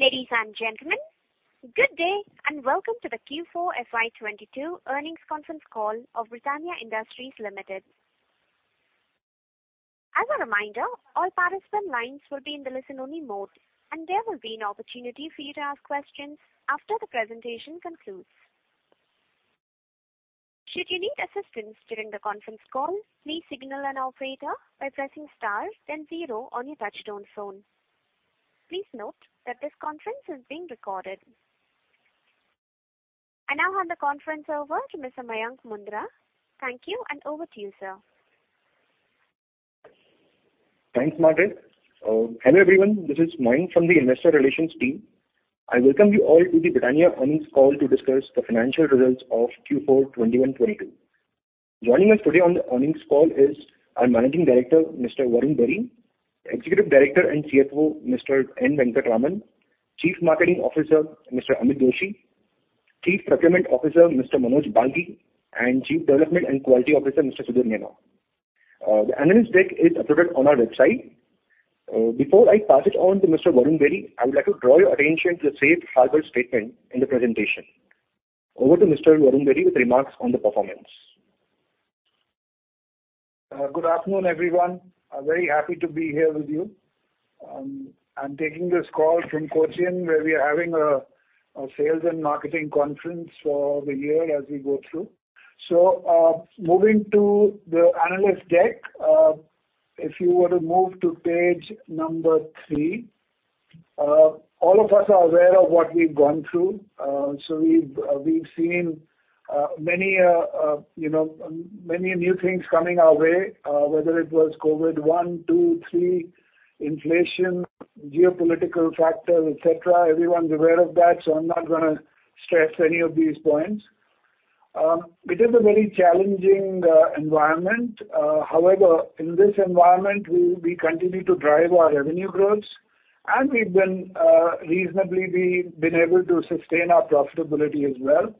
Ladies and gentlemen, good day, and welcome to the Q4 FY 2022 earnings conference call of Britannia Industries Limited. As a reminder, all participant lines will be in the listen-only mode, and there will be an opportunity for you to ask questions after the presentation concludes. Should you need assistance during the conference call, please signal an operator by pressing star then zero on your touch-tone phone. Please note that this conference is being recorded. I now hand the conference over to Mr. Mayank Mundra. Thank you, and over to you, sir. Thanks, Madhu. Hello, everyone. This is Mayank from the investor Relations team. I welcome you all to the Britannia earnings call to discuss the financial results of Q4 2021, 2022. Joining us today on the earnings call is our Managing Director, Mr. Varun Berry, Executive Director and CFO, Mr. N. Venkataraman, Chief Marketing Officer, Mr. Amit Doshi, Chief Procurement Officer, Mr. Manoj Balgi, and Chief Development and Quality Officer, Mr. Sudhir Menon. The analyst deck is uploaded on our website. Before I pass it on to Mr. Varun Berry, I would like to draw your attention to the Safe Harbor statement in the presentation. Over to Mr. Varun Berry with remarks on the performance. Good afternoon, everyone. I'm very happy to be here with you. I'm taking this call from Cochin, where we are having a sales and marketing conference for the year as we go through. Moving to the analyst deck, if you were to move to page number three, all of us are aware of what we've gone through. We've seen many new things coming our way, you know, whether it was COVID one, two, three, inflation, geopolitical factors, et cetera. Everyone's aware of that, so I'm not gonna stress any of these points. It is a very challenging environment. However, in this environment, we continue to drive our revenue growth, and we've been reasonably able to sustain our profitability as well.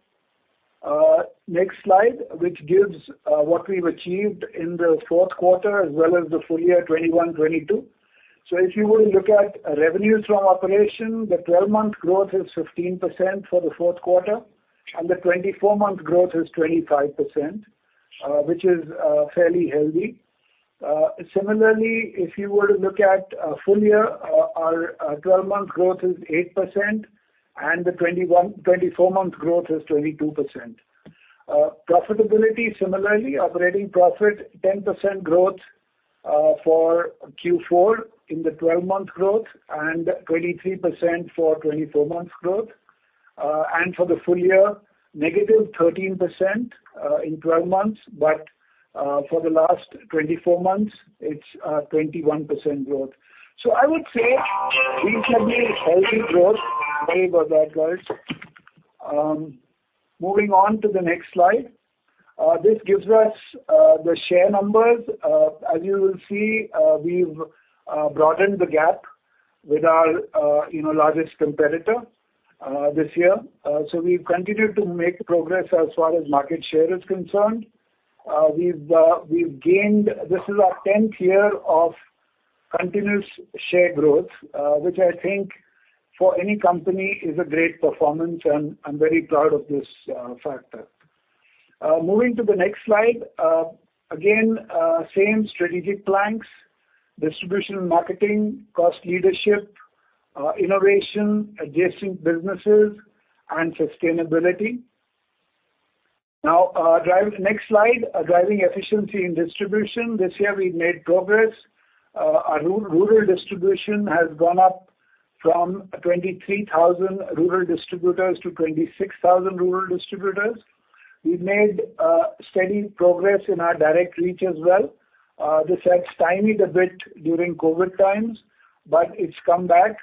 Next slide, which gives what we've achieved in the fourth quarter as well as the full year 2021, 2022. If you were to look at revenues from operation, the 12-month growth is 15% for the fourth quarter, and the 24-month growth is 25%, which is fairly healthy. Similarly, if you were to look at full year, our 12-month growth is 8%, and the 24-month growth is 22%. Profitability similarly, operating profit 10% growth for Q4 in the 12-month growth and 23% for 24 months growth. For the full year, -13% in 12 months, but for the last 24 months, it's 21% growth. I would say reasonably healthy growth. Moving on to the next slide. This gives us the share numbers, as you will see we've broadened the gap with our largest competitor this year. So, we've continued to make progress as far as market share is concerned. We've gained, this is our 10th year of continuous share growth which I think for any company is a great performance and I'm very proud of this factor. Moving to the next slide. Again, same strategic planks, distribution marketing, cost leadership, innovation, adjacent businesses and sustainability. Now next slide, driving efficiency in distribution; this year we made progress. Our rural distribution has gone up from 23,000 rural distributors to 26,000 rural distributors. We've made a steady progress in our direct reach as well. This has stymied a bit during COVID times but it's come back.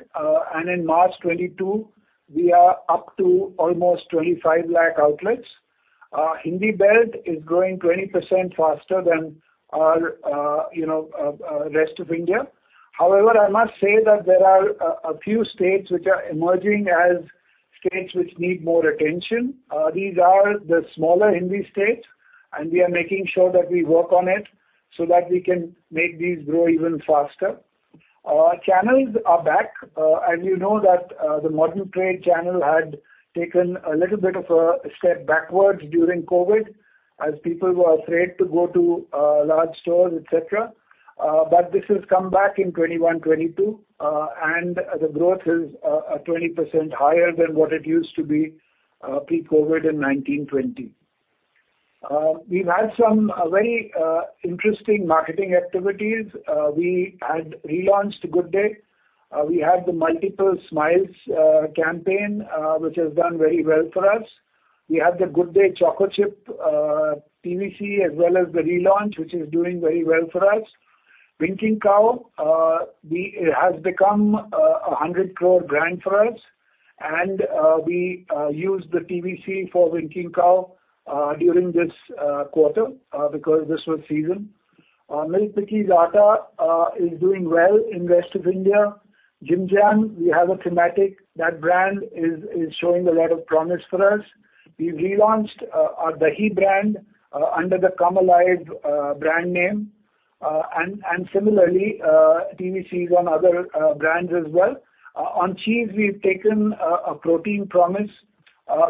In March 2022, we are up to almost 25 lakh outlets. Hindi belt is growing 20% faster than the rest of India. However, I must say that there are a few states which are emerging as states which need more attention. These are the smaller Hindi the states and we are making sure that we work on it so that we can make these grow even faster. Our channels are back. As you know that the modern trade channel had taken a little bit of a step backwards during COVID as people were afraid to go to a large store, et cetera. But this has come back in 2021, 2022 and the growth is 20% higher than what it used to be pre-COVID in 2019, 2020. We've had some very interesting marketing activities. We had relaunched Good Day. We had the Multiple Smiles campaign, which has done very well for us. We had the Good Day Choco-chip TVC, as well as the relaunch, which is doing very well for us. Winkin' Cow, it has become a 100 crore brand for us, and we used the TVC for Winkin' Cow during this quarter, because this was season. Milk Bikis Atta is doing well in rest of India. Jim Jam, we have a thematic. That brand is showing a lot of promise for us. We've relaunched our Dahi brand under the Come Alive brand name. Similarly, TVCs on other brands as well. On cheese, we've taken a protein promise,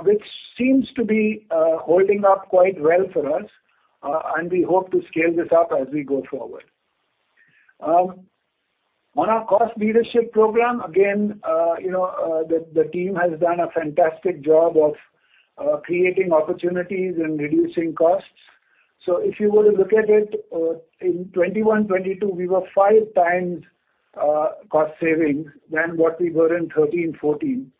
which seems to be holding up quite well for us, and we hope to scale this up as we go forward. On our cost leadership program, again, you know, the team has done a fantastic job of creating opportunities and reducing costs. If you were to look at it, in 2021, 2022, we were five times cost savings than what we were in 2013, 2014.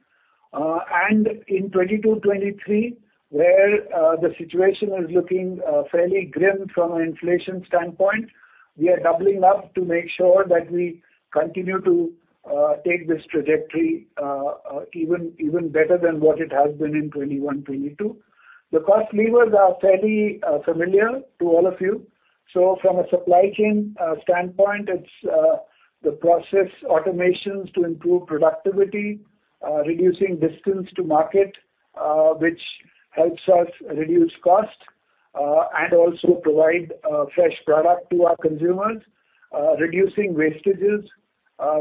In 2022, 2023, where the situation is looking fairly grim from an inflation standpoint, we are doubling up to make sure that we continue to take this trajectory, even better than what it has been in 2021, 2022. The cost levers are fairly familiar to all of you. From a supply chain standpoint, it's the process automations to improve productivity, reducing distance to market, which helps us reduce cost, and also provide fresh product to our consumers. Reducing wastages,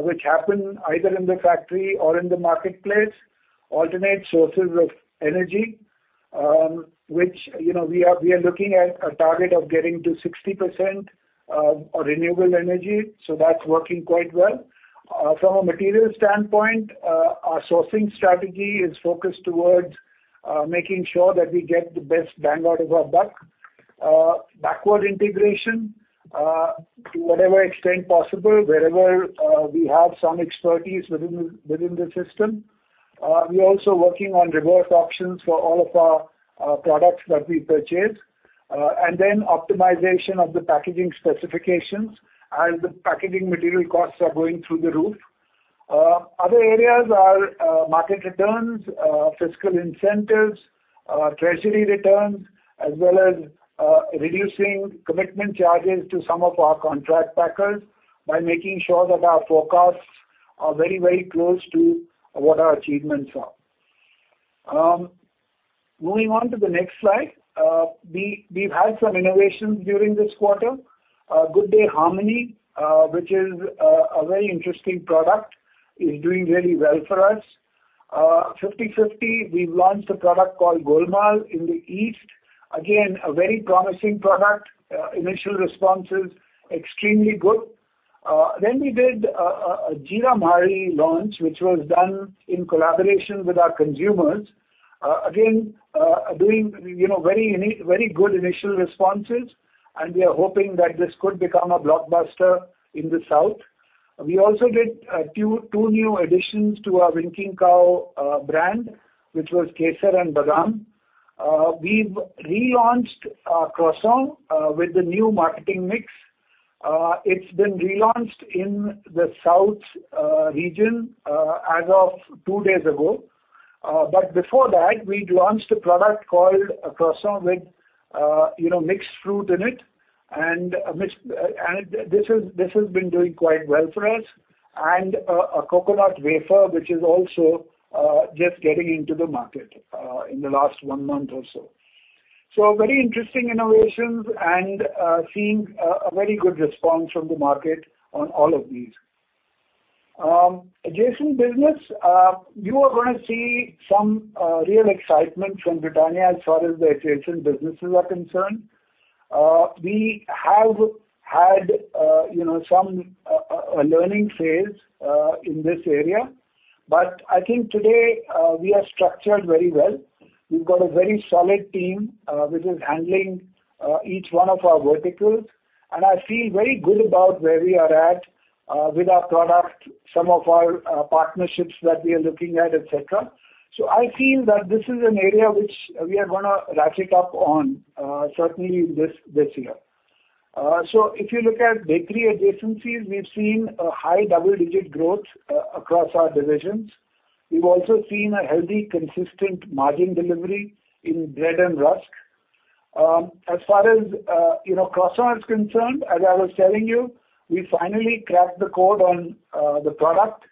which happen either in the factory or in the marketplace. Alternate sources of energy, which, you know, we are looking at a target of getting to 60% renewable energy, so that's working quite well. From a material standpoint, our sourcing strategy is focused towards making sure that we get the best bang out of our buck. Backward integration to whatever extent possible, wherever we have some expertise within the system. We're also working on reverse auctions for all of our products that we purchase. Optimization of the packaging specifications as the packaging material costs are going through the roof. Other areas are market returns, fiscal incentives, treasury returns, as well as reducing commitment charges to some of our contract packers by making sure that our forecasts are very close to what our achievements are. Moving on to the next slide. We've had some innovations during this quarter. Good Day Harmony, which is a very interesting product, is doing really well for us. 50-50, we've launched a product called 50-50 Golmaal in the East. Again, a very promising product. Initial response is extremely good. We did a Jeera Marie launch, which was done in collaboration with our consumers. Again, doing you know very good initial responses, and we are hoping that this could become a blockbuster in the South. We also did two new additions to our Winkin' Cow brand, which was Kesar and Badam. We've relaunched our croissant with the new marketing mix. It's been relaunched in the South region as of two days ago. Before that, we'd launched a product called a croissant with you know mixed fruit in it, and this has been doing quite well for us. A Coconut Wafer, which is also just getting into the market in the last one month or so. Very interesting innovations and seeing a very good response from the market on all of these. Adjacent business, you are gonna see some real excitement from Britannia as far as the adjacent businesses are concerned. We have had, you know, some learning phase in this area. I think today we are structured very well. We've got a very solid team which is handling each one of our verticals. I feel very good about where we are at with our product, some of our partnerships that we are looking at, et cetera. I feel that this is an area which we are gonna ratchet up on certainly this year. If you look at bakery adjacencies, we've seen a high double-digit growth across our divisions. We've also seen a healthy, consistent margin delivery in bread and rusk. As far as, you know, croissant is concerned, as I was telling you, we finally cracked the code on the product.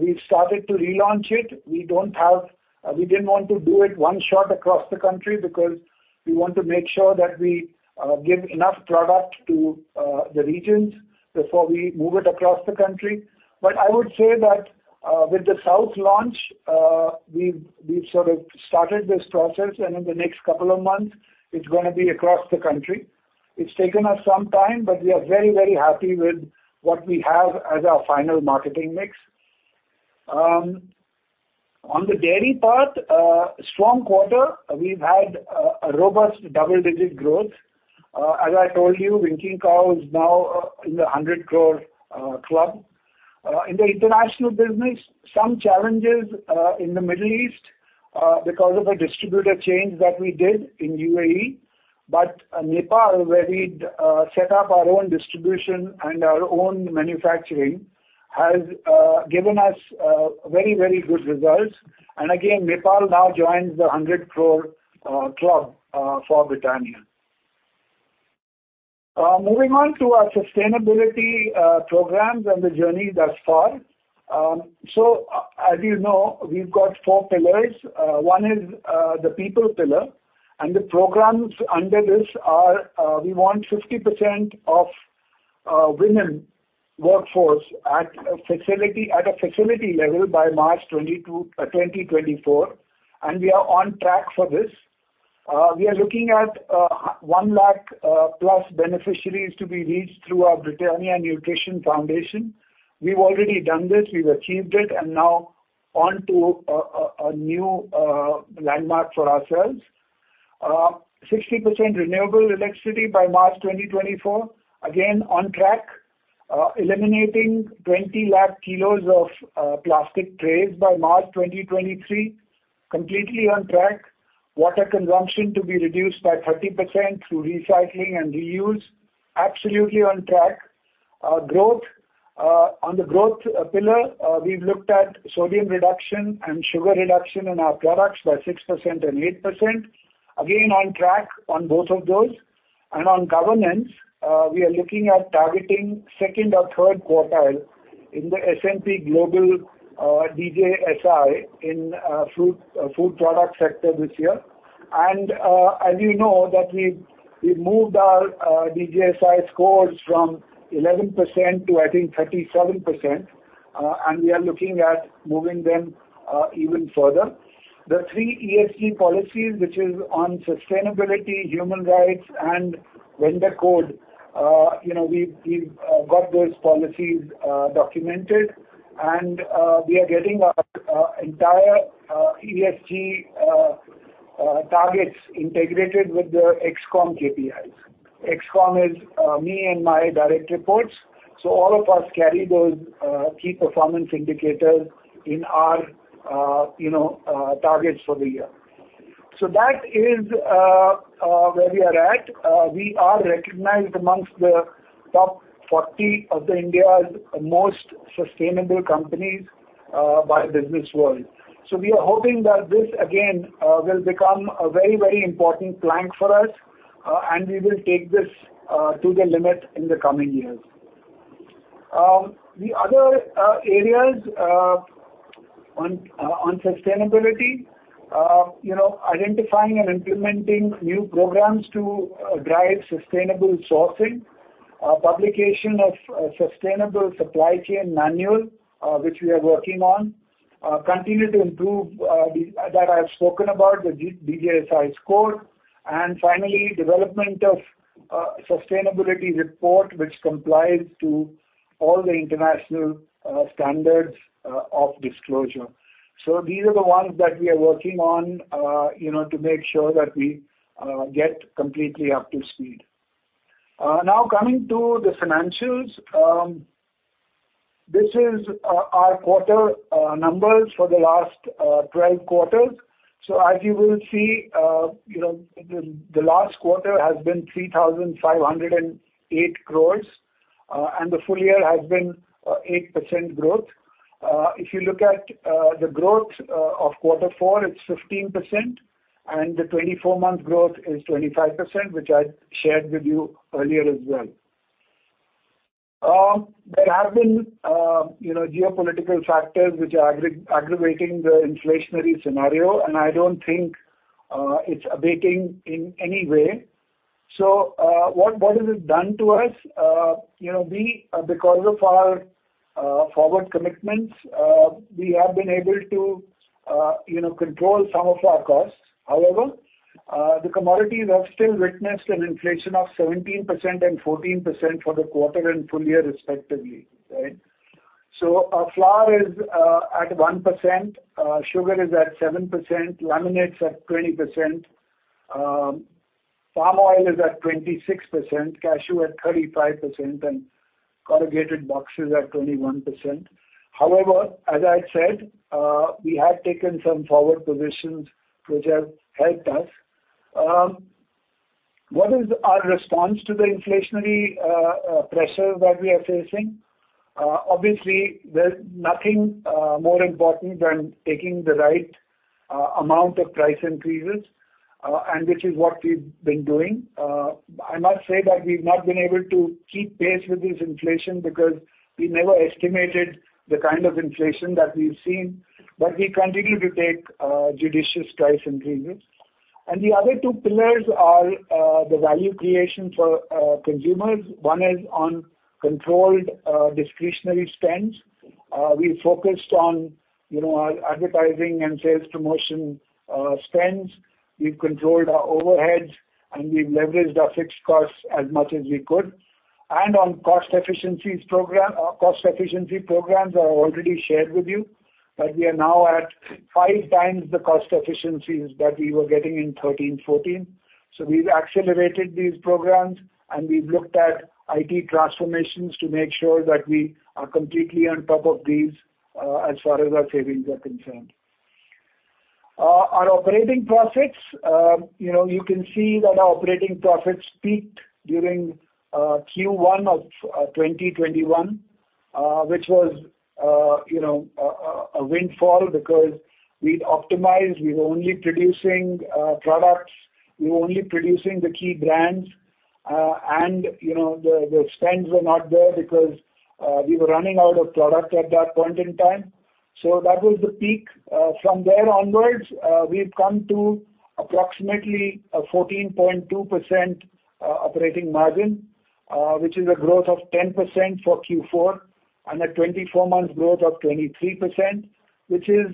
We've started to relaunch it. We didn't want to do it one shot across the country because we want to make sure that we give enough product to the regions before we move it across the country. I would say that with the South launch, we've sort of started this process, and in the next couple of months, it's gonna be across the country. It's taken us some time, but we are very, very happy with what we have as our final marketing mix. On the dairy part, strong quarter, we've had a robust double-digit growth. As I told you, Winkin' Cow is now in the 100 crore club. In the international business, some challenges in the Middle East because of a distributor change that we did in UAE. Nepal, where we'd set up our own distribution and our own manufacturing, has given us very good results. Nepal now joins the 100 crore club for Britannia. Moving on to our sustainability programs and the journey thus far. As you know, we've got four pillars. One is the people pillar, and the programs under this are we want 50% of women workforce at a facility level by March 2024, and we are on track for this. We are looking at 1 lakh+ beneficiaries to be reached through our Britannia Nutrition Foundation. We've already done this. We've achieved it, and now on to a new landmark for ourselves. 60% renewable electricity by March 2024. Again, on track. Eliminating 20 lakh kilos of plastic trays by March 2023. Completely on track. Water consumption to be reduced by 30% through recycling and reuse. Absolutely on track. Growth. On the growth pillar, we've looked at sodium reduction and sugar reduction in our products by 6% and 8%. Again, on track on both of those. On governance, we are looking at targeting second or third quartile in the S&P Global DJSI in food product sector this year. As you know, we've moved our DJSI scores from 11% to, I think, 37%. We are looking at moving them even further. The three ESG policies, which is on sustainability, human rights, and vendor code, you know, we've got those policies documented. We are getting our entire ESG targets integrated with the ExCom KPIs. ExCom is me and my direct reports. All of us carry those key performance indicators in our, you know, targets for the year. That is where we are at. We are recognized amongst the top 40 of India's most sustainable companies by Business World. We are hoping that this, again, will become a very, very important plank for us, and we will take this to the limit in the coming years. The other areas on sustainability, you know, identifying and implementing new programs to drive sustainable sourcing. Publication of a sustainable supply chain manual, which we are working on, continue to improve that I've spoken about, the DJSI score. Finally, development of a sustainability report which complies to all the international standards of disclosure. These are the ones that we are working on, you know, to make sure that we get completely up to speed. Now coming to the financials. This is our quarter numbers for the last 12 quarters. As you will see, you know, the last quarter has been 3,508 crores, and the full year has been 8% growth. If you look at the growth of quarter four, it's 15%, and the 24-month growth is 25%, which I shared with you earlier as well. There have been, you know, geopolitical factors which are aggravating the inflationary scenario, and I don't think it's abating in any way. What has it done to us? You know, we, because of our forward commitments, we have been able to, you know, control some of our costs. However, the commodities have still witnessed an inflation of 17% and 14% for the quarter and full year respectively, right? Our flour is at 1%, sugar is at 7%, laminates at 20%, palm oil is at 26%, cashew at 35%, and corrugated boxes at 21%. However, as I said, we have taken some forward positions which have helped us. What is our response to the inflationary pressure that we are facing? Obviously, there's nothing more important than taking the right amount of price increases, and which is what we've been doing. I must say that we've not been able to keep pace with this inflation because we never estimated the kind of inflation that we've seen. We continue to take judicious price increases. The other two pillars are the value creation for consumers. One is on controlled discretionary spends. We focused on, you know, our advertising and sales promotion spends. We've controlled our overheads, and we've leveraged our fixed costs as much as we could. Cost efficiencies program, cost efficiency programs are already shared with you, but we are now at 5x the cost efficiencies that we were getting in 2013, 2014. We've accelerated these programs, and we've looked at IT transformations to make sure that we are completely on top of these, as far as our savings are concerned. Our operating profits, you know, you can see that our operating profits peaked during Q1 of 2021, which was, you know, a windfall because we'd optimized. We were only producing products. We were only producing the key brands. You know, the spends were not there because we were running out of product at that point in time. That was the peak. From there onwards, we've come to approximately a 14.2% operating margin, which is a growth of 10% for Q4 and a 24-month growth of 23%, which is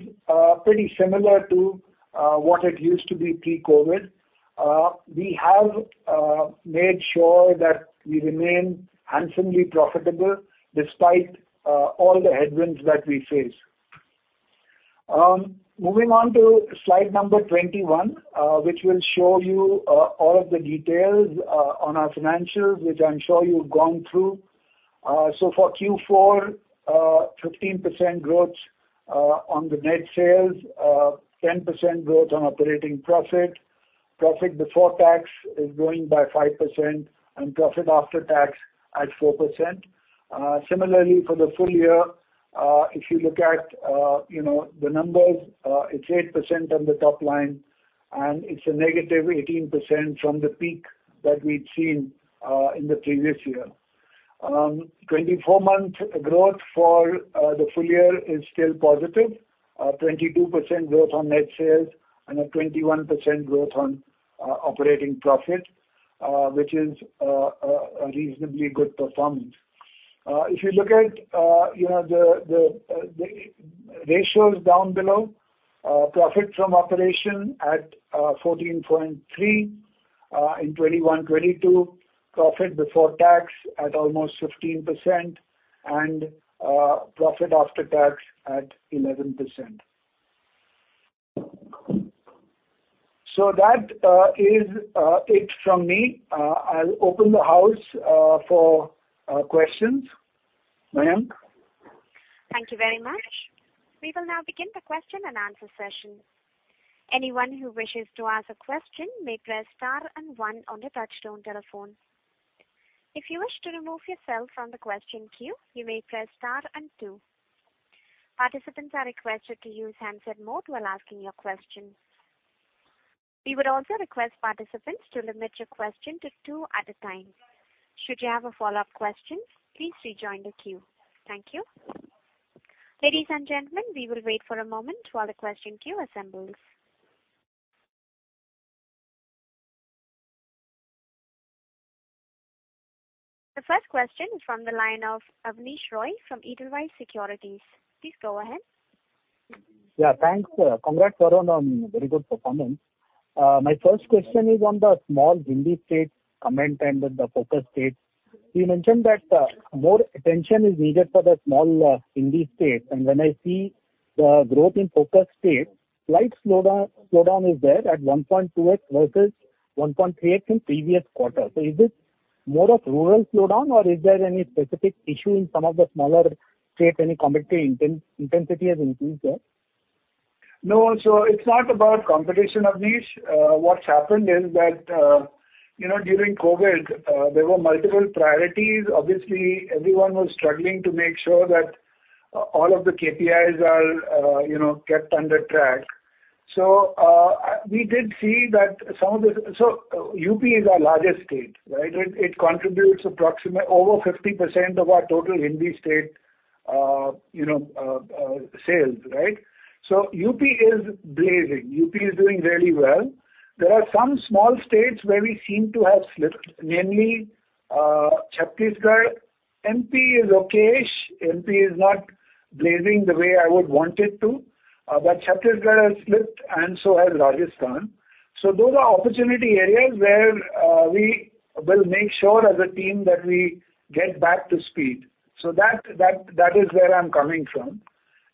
pretty similar to what it used to be pre-COVID. We have made sure that we remain handsomely profitable despite all the headwinds that we face. Moving on to slide number 21, which will show you all of the details on our financials, which I'm sure you've gone through. For Q4, 15% growth on the net sales, 10% growth on operating profit. Profit before tax is growing by 5% and profit after tax at 4%. Similarly for the full year, if you look at, you know, the numbers, it's 8% on the top line, and it's a -18% from the peak that we'd seen in the previous year. 24-month growth for the full year is still positive. 22% growth on net sales and a 21% growth on operating profit, which is a reasonably good performance. If you look at, you know, the ratios down below, profit from operation at 14.3% in 2021, 2022. Profit before tax at almost 15% and profit after tax at 11%. That is it from me. I'll open the house for questions. Mayank? Thank you very much. We will now begin the question-and-answer session. Anyone who wishes to ask a question may press star and one on the touch-tone telephone. If you wish to remove yourself from the question queue, you may press star and two. Participants are requested to use handset mode while asking your question. We would also request participants to limit your question to two at a time. Should you have a follow-up question, please rejoin the queue. Thank you. Ladies and gentlemen, we will wait for a moment while the question queue assembles. The first question is from the line of Abneesh Roy from Edelweiss Securities. Please go ahead. Yeah, thanks. Congrats, Varun, on very good performance. My first question is on the small Hindi states comment and then the focus states. You mentioned that more attention is needed for the small Hindi states. When I see the growth in focus states, slight slowdown is there at 1.2x versus 1.3x in previous quarter. Is it more of rural slowdown or is there any specific issue in some of the smaller states, any competitive intensity has increased there? No. It's not about competition, Abneesh. What's happened is that, you know, during COVID, there were multiple priorities. Obviously, everyone was struggling to make sure that all of the KPIs are, you know, kept on track. We did see that UP is our largest state, right? It contributes over 50% of our total Hindi state, you know, sales, right? UP is blazing. UP is doing really well. There are some small states where we seem to have slipped, namely, Chhattisgarh. MP is okay-ish. MP is not blazing the way I would want it to. Chhattisgarh has slipped and so has Rajasthan. Those are opportunity areas where, we will make sure as a team that we get back to speed. That is where I'm coming from.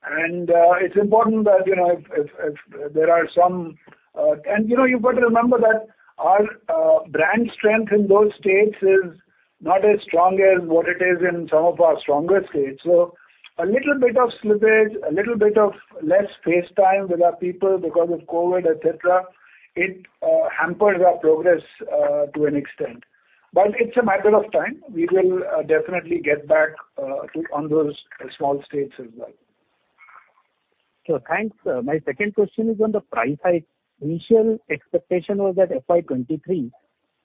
It's important that, you know, if there are some— You know, you've got to remember that our brand strength in those states is not as strong as what it is in some of our stronger states. A little bit of slippage, a little bit of less face time with our people because of COVID, et cetera, it hampers our progress to an extent. It's a matter of time. We will definitely get back on those small states as well. Thanks. My second question is on the price hike. Initial expectation was that FY 2023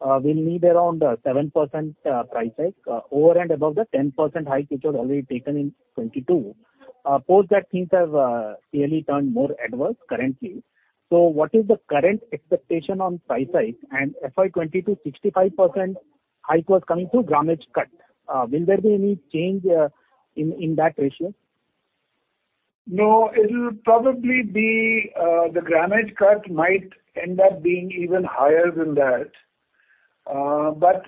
will need around 7% price hike over and above the 10% hike which was already taken in 2022. Post that things have clearly turned more adverse currently. What is the current expectation on price hike? FY 2022 65% hike was coming through grammage cut. Will there be any change in that ratio? No, it'll probably be the grammage cut might end up being even higher than that.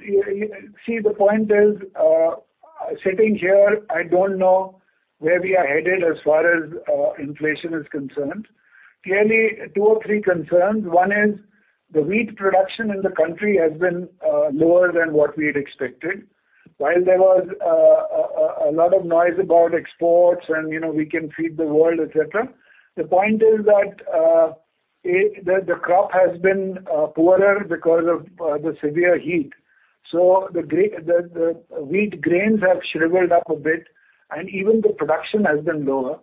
You see, the point is, sitting here, I don't know where we are headed as far as inflation is concerned. Clearly, two or three concerns. One is the wheat production in the country has been lower than what we had expected. While there was a lot of noise about exports and, you know, we can feed the world, et cetera, the point is that the crop has been poorer because of the severe heat. The wheat grains have shriveled up a bit, and even the production has been lower.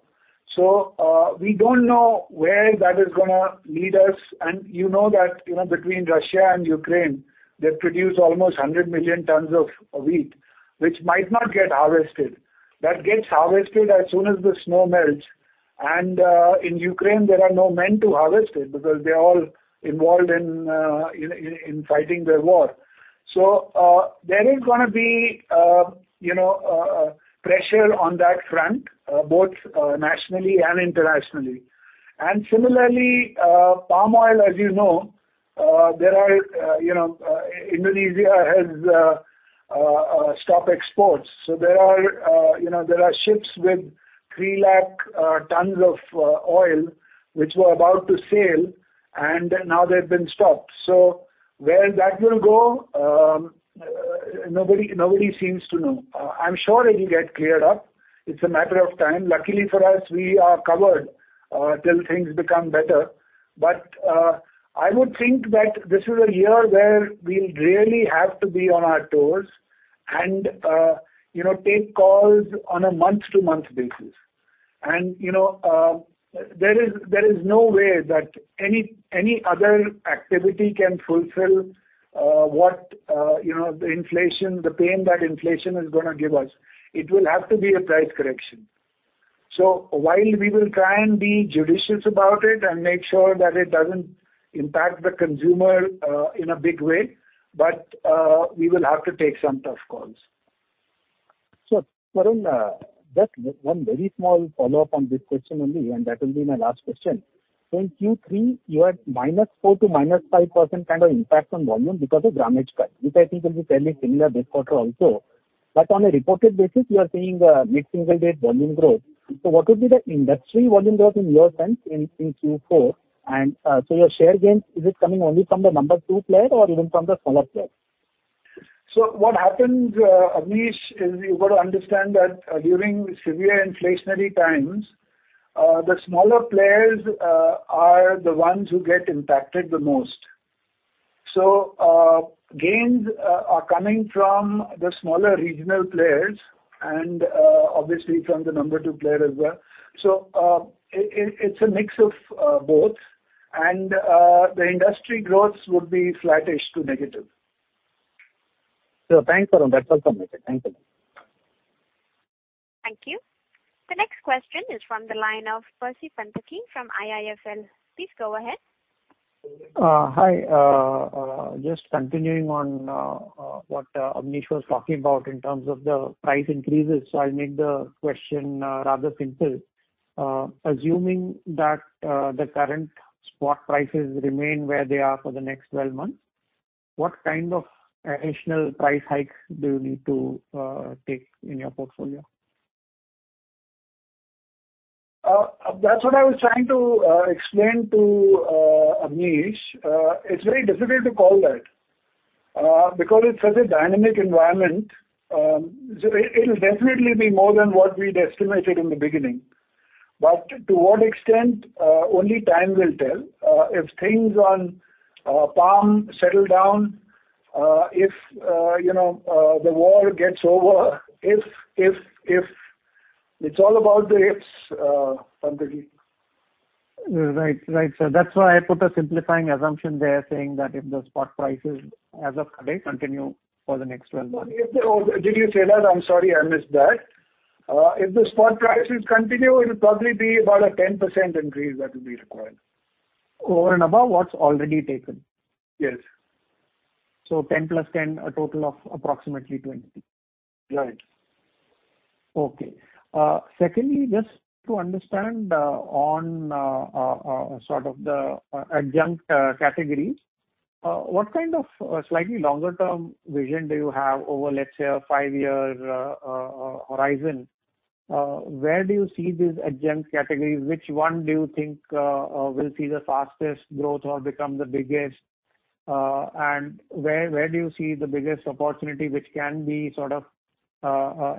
We don't know where that is gonna lead us. You know that, you know, between Russia and Ukraine, they produce almost 100 million tons of wheat, which might not get harvested. That gets harvested as soon as the snow melts. In Ukraine, there are no men to harvest it because they're all involved in fighting their war. There is gonna be pressure on that front, both nationally and internationally. Similarly, palm oil, as you know, Indonesia has stopped exports. There are ships with 3 lakh tons of oil which were about to sail, and now they've been stopped. Where that will go, nobody seems to know. I'm sure it'll get cleared up. It's a matter of time. Luckily for us, we are covered till things become better. I would think that this is a year where we really have to be on our toes and you know take calls on a month-to-month basis. You know there is no way that any other activity can fulfill what you know the inflation, the pain that inflation is gonna give us. It will have to be a price correction. While we will try and be judicious about it and make sure that it doesn't impact the consumer in a big way, but we will have to take some tough calls. Sure. Varun, just one very small follow-up on this question only, and that will be my last question. In Q3, you had -4% to -5% kind of impact on volume because of grammage cut, which I think will be fairly similar this quarter also. On a reported basis, you are seeing mid-single digit volume growth. What would be the industry volume growth in your sense in Q4? Your share gains, is it coming only from the number two player or even from the smaller players? What happens, Abneesh, is you've got to understand that during severe inflationary times, the smaller players are the ones who get impacted the most. Gains are coming from the smaller regional players and, obviously from the number two player as well. It's a mix of both. The industry growth would be flattish to negative. Thanks, Varun. That's all from me then. Thank you. Thank you. The next question is from the line of Percy Panthaki from IIFL. Please go ahead. Hi. Just continuing on what Abneesh was talking about in terms of the price increases. I'll make the question rather simple. Assuming that the current spot prices remain where they are for the next 12 months, what kind of additional price hikes do you need to take in your portfolio? That's what I was trying to explain to Abneesh. It's very difficult to call that, because it's such a dynamic environment. It'll definitely be more than what we'd estimated in the beginning. To what extent, only time will tell. If things on palm settle down, if you know the war gets over, if. It's all about the ifs, Panthaki. Right. Right, sir. That's why I put a simplifying assumption there saying that if the spot prices as of today continue for the next 12 months. Did you say that? I'm sorry, I missed that. If the spot prices continue, it'll probably be about a 10% increase that will be required. Over and above what's already taken? Yes. 10 + 10, a total of approximately 20. Right. Okay. Secondly, just to understand, on sort of the adjunct categories, what kind of slightly longer term vision do you have over, let's say, a five-year horizon? Where do you see these adjunct categories? Which one do you think will see the fastest growth or become the biggest? And where do you see the biggest opportunity which can be sort of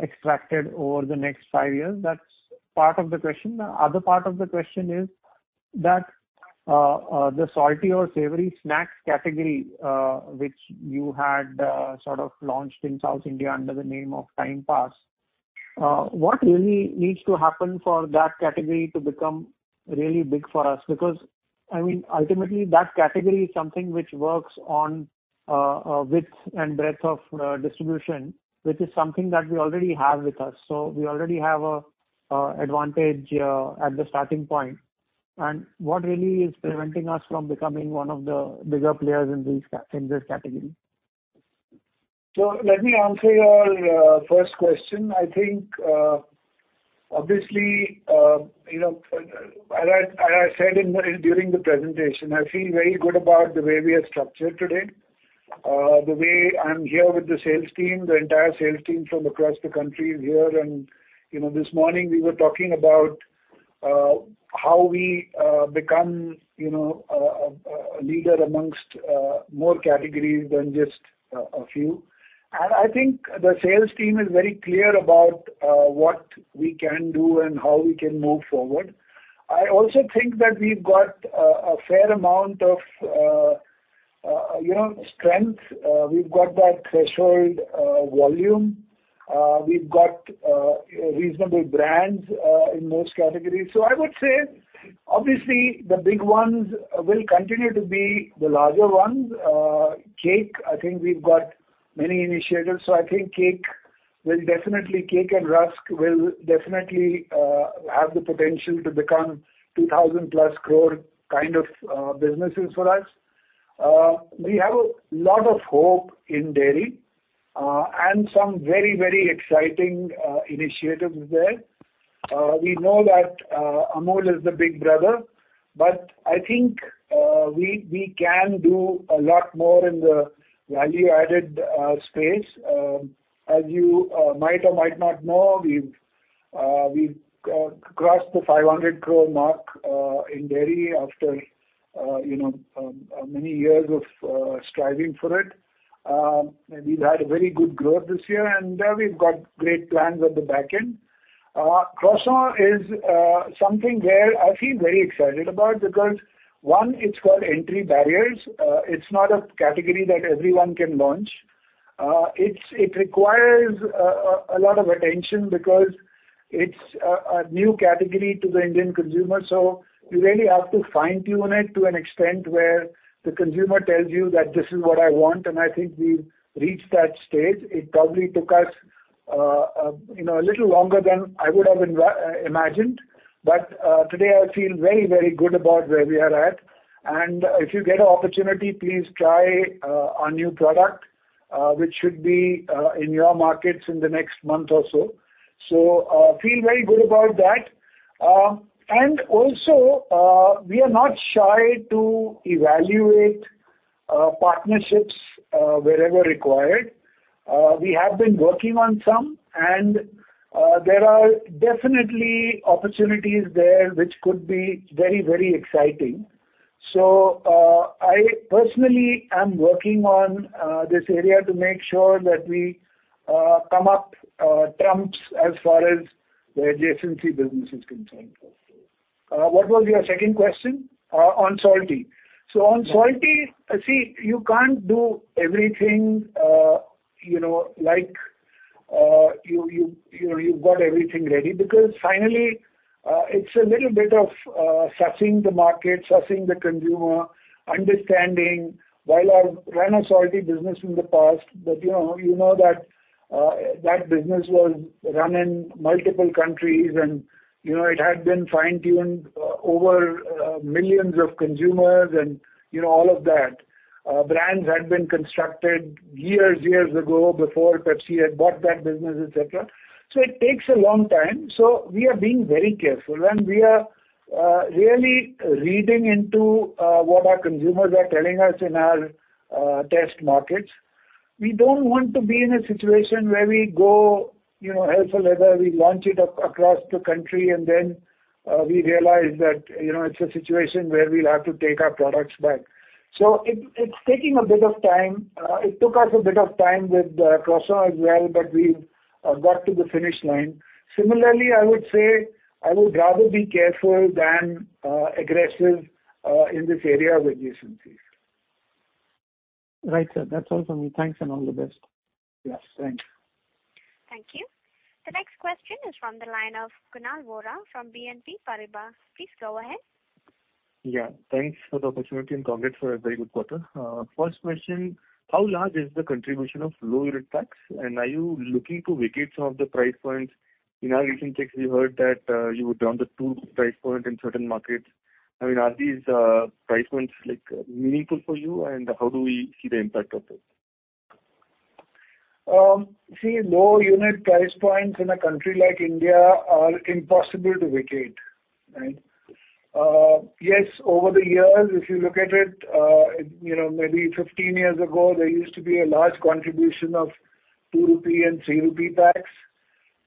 extracted over the next five years? That's part of the question. The other part of the question is that the salty or savory snacks category, which you had sort of launched in South India under the name of Time Pass, what really needs to happen for that category to become really big for us? I mean, ultimately, that category is something which works on width and breadth of distribution, which is something that we already have with us. We already have a advantage at the starting point. What really is preventing us from becoming one of the bigger players in this category? Let me answer your first question. I think obviously you know as I said during the presentation I feel very good about the way we are structured today. The way I'm here with the sales team the entire sales team from across the country is here. You know this morning we were talking about how we become you know a leader amongst more categories than just a few. I think the sales team is very clear about what we can do and how we can move forward. I also think that we've got a fair amount of you know strength we've got that threshold volume. We've got reasonable brands in most categories. I would say, obviously the big ones will continue to be the larger ones. Cake, I think we've got many initiatives. I think cake and rusk will definitely have the potential to become 2,000+ crore kind of businesses for us. We have a lot of hope in dairy and some very, very exciting initiatives there. We know that Amul is the big brother, but I think we can do a lot more in the value-added space. As you might or might not know, we've crossed the 500 crore mark in dairy after you know many years of striving for it. We've had a very good growth this year, and there we've got great plans at the back end. Croissant is something where I feel very excited about, because one, it's got entry barriers. It's not a category that everyone can launch. It requires a lot of attention because it's a new category to the Indian consumer. You really have to fine-tune it to an extent where the consumer tells you that this is what I want, and I think we've reached that stage. It probably took us you know, a little longer than I would have imagined. Today I feel very, very good about where we are at. If you get an opportunity, please try our new product, which should be in your markets in the next month or so. Feel very good about that. We are not shy to evaluate partnerships wherever required. We have been working on some, and there are definitely opportunities there which could be very, very exciting. I personally am working on this area to make sure that we come up trumps as far as the adjacency business is concerned also. What was your second question? On salty. On salty, see, you can't do everything, you know, like, you've got everything ready. Because finally, it's a little bit of sussing the market, sussing the consumer, understanding. While our ran a salty business in the past, but you know that business was run in multiple countries and you know it had been fine-tuned over millions of consumers and you know all of that. Brands had been constructed years ago, before Pepsi had bought that business, et cetera. It takes a long time. We are being very careful, and we are really reading into what our consumers are telling us in our test markets. We don't want to be in a situation where we go, you know, hell for leather, we launch it across the country, and then we realize that, you know, it's a situation where we'll have to take our products back. It's taking a bit of time. It took us a bit of time with croissant as well, but we've got to the finish line. Similarly, I would say I would rather be careful than aggressive in this area of adjacencies. Right, sir. That's all for me. Thanks and all the best. Yes, thanks. Thank you. The next question is from the line of Kunal Vora from BNP Paribas. Please go ahead. Yeah. Thanks for the opportunity, and congrats for a very good quarter. First question, how large is the contribution of low unit packs, and are you looking to vacate some of the price points? In our recent checks, we heard that you have done the two price points in certain markets. I mean, are these price points, like, meaningful for you, and how do we see the impact of this? See, low unit price points in a country like India are impossible to vacate, right? Yes, over the years, if you look at it, you know, maybe 15 years ago, there used to be a large contribution of 2-rupee and 3-rupee packs,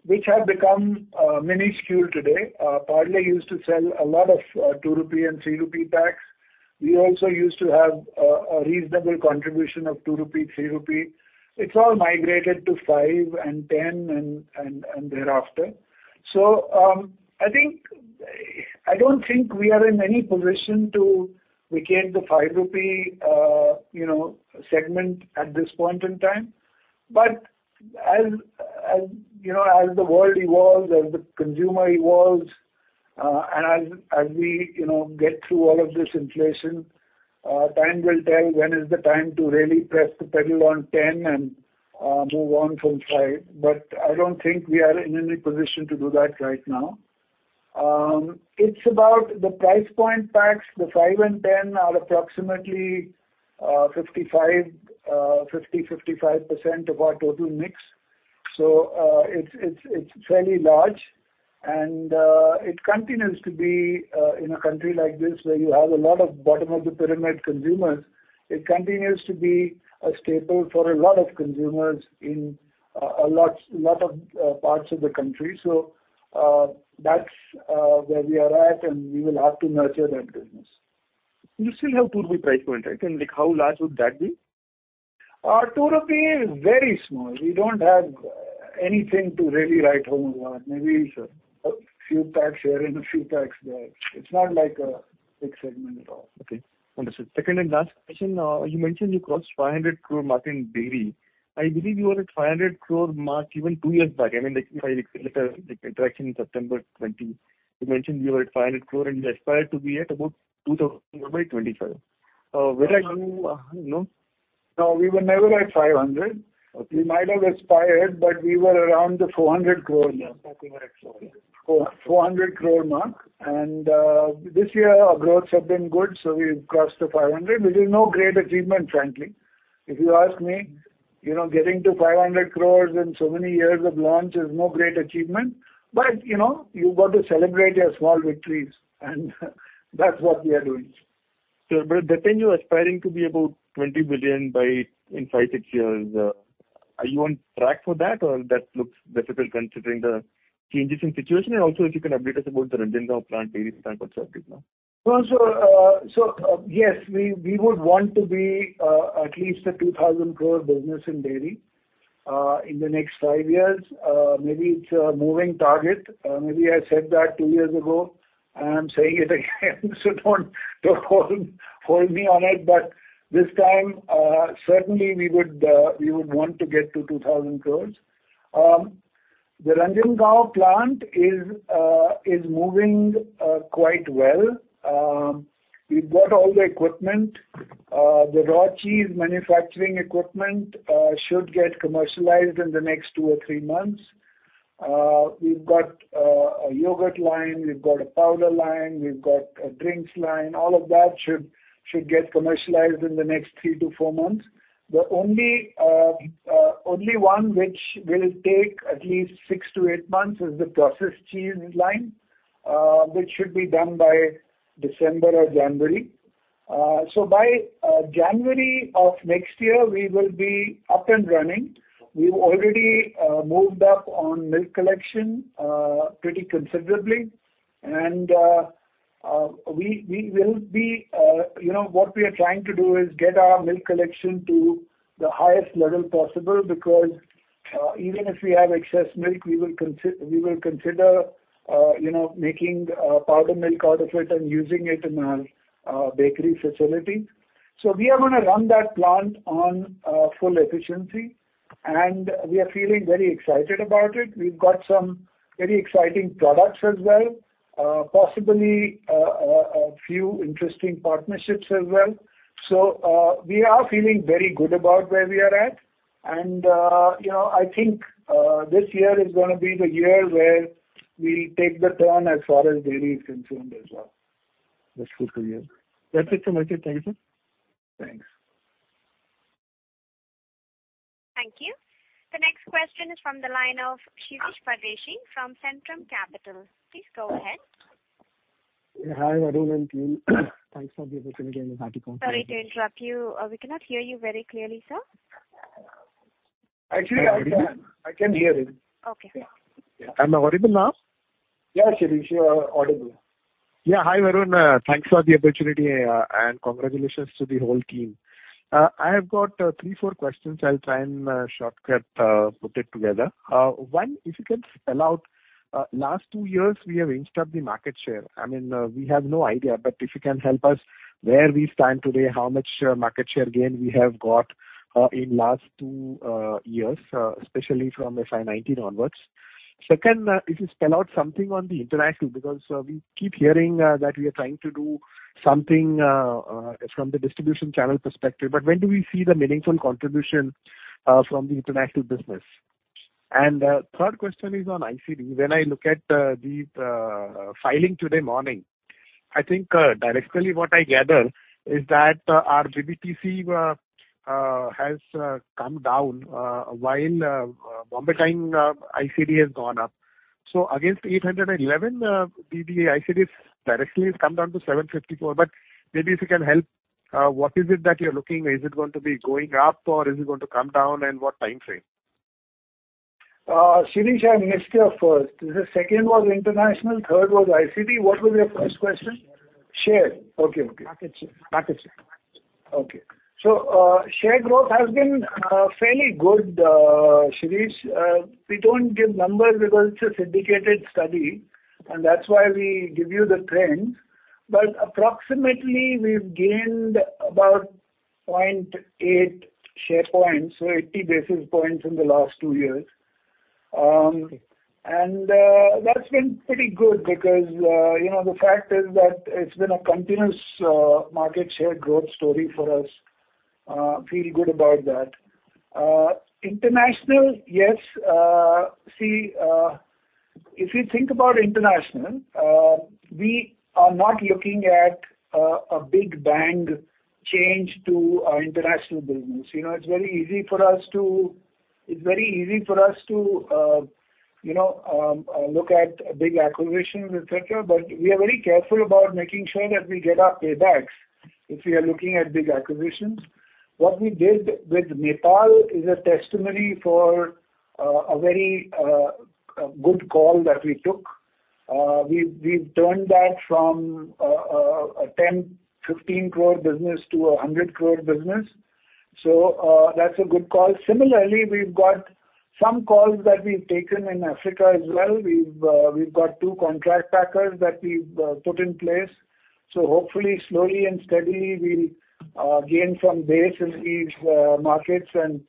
which have become minuscule today. Parle used to sell a lot of 2-rupee and 3-rupee packs. We also used to have a reasonable contribution of 2-rupee, 3-rupee. It's all migrated to 5 and 10, and thereafter. I don't think we are in any position to vacate the 5-rupee, you know, segment at this point in time. As you know, as the world evolves, as the consumer evolves, and as we you know, get through all of this inflation, time will tell when is the time to really press the pedal on 10 and move on from 5. I don't think we are in any position to do that right now. It's about the price point packs. The 5 and 10 are approximately 50%, 55% of our total mix. It's fairly large. It continues to be in a country like this where you have a lot of bottom of the pyramid consumers, it continues to be a staple for a lot of consumers in a lot of parts of the country. That's where we are at, and we will have to nurture that business. You still have 2-rupee price point, right? Like, how large would that be? Our 2 rupee is very small. We don't have anything to really write home about. Maybe a few packs here and a few packs there. It's not like a big segment at all. Okay. Understood. Second and last question. You mentioned you crossed 500 crore mark in dairy. I believe you were at 500 crore mark even two years back. I mean, like, if I recall the interaction in September 2020, you mentioned you were at 500 crores and you aspired to be at about 2,000 crores by 2025. I don't know. We were never at 500 crore. We might have aspired, but we were around the 400 crore mark. This year our growths have been good, so we've crossed to 500 crores, which is no great achievement, frankly. If you ask me, you know, getting to 500 crores in so many years of launch is no great achievement. You know, you've got to celebrate your small victories, and that's what we are doing. Sure. That time you were aspiring to be about 20 billion by in five, six years. Are you on track for that, or that looks difficult considering the changes in situation? Also, if you can update us about the Ranjangaon plant, dairy plant, what's the update now? Yes, we would want to be at least an 2,000 crore business in dairy in the next five years. Maybe it's a moving target. Maybe I said that two years ago, and I'm saying it again, so don't hold me on it. This time, certainly we would want to get to 2,000 crores. The Ranjangaon plant is moving quite well. We've got all the equipment. The raw cheese manufacturing equipment should get commercialized in the next two or three months. We've got a yogurt line. We've got a powder line. We've got a drinks line. All of that should get commercialized in the next three-four months. The only one which will take at least six-eight months is the processed cheese line, which should be done by December or January. By January of next year, we will be up and running. We've already moved up on milk collection pretty considerably. You know, what we are trying to do is get our milk collection to the highest level possible, because even if we have excess milk, we will consider you know, making milk powder out of it and using it in our bakery facility. We are gonna run that plant on full efficiency, and we are feeling very excited about it. We've got some very exciting products as well, possibly a few interesting partnerships as well. We are feeling very good about where we are at. You know, I think, this year is gonna be the year where we'll take the turn as far as dairy is concerned as well. That's good to hear. That's it from my side. Thank you, sir. Thanks. Thank you. The next question is from the line of Shirish Pardeshi from Centrum Capital. Please go ahead. Hi, Varun and team. Thanks for the opportunity and happy— Sorry to interrupt you. We cannot hear you very clearly, sir. Actually, I can hear him. Okay. Am I audible now? Yeah, Shirish, you are audible. Yeah. Hi, Varun. Thanks for the opportunity, and congratulations to the whole team. I have got three, four questions. I'll try and shortcut, put it together. One, if you can spell out last two years we have ensured the market share. I mean, we have no idea, but if you can help us where we stand today, how much market share gain we have got in last two years, especially from FY 2019 onwards. Second, if you spell out something on the international. Because we keep hearing that we are trying to do something from the distribution channel perspective, but when do we see the meaningful contribution from the international business. Third question is on ICD. When I look at the filing today morning, I think directly what I gather is that our BBTC has come down while Bombay Dyeing ICD has gone up. Against 811 crores, BB ICD directly has come down to 754 crores. Maybe if you can help, what is it that you're looking? Is it going to be going up or is it going to come down, and what timeframe? Shirish, I missed your first. The second was international, third was ICD. What was your first question? Share. Okay. Market share. Okay. Share growth has been fairly good, Shirish. We don't give numbers because it's a syndicated study, and that's why we give you the trends. But approximately we've gained about 0.8 share points, so 80 basis points in the last two years. That's been pretty good because, you know, the fact is that it's been a continuous market share growth story for us. Feel good about that. International, yes. See, if you think about international, we are not looking at a big bang change to our international business. You know, it's very easy for us to, you know, look at big acquisitions, et cetera, but we are very careful about making sure that we get our paybacks if we are looking at big acquisitions. What we did with Nepal is a testimony for a very good call that we took. We've turned that from a 10 crore, 15 crore business to a 100 crore business. That's a good call. Similarly, we've got some calls that we've taken in Africa as well. We've got two contract packers that we've put in place. Hopefully slowly and steadily we'll gain some base in these markets and